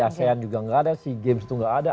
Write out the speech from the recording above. asean juga tidak ada sea games itu tidak ada